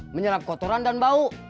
menyerap kotoran dan bau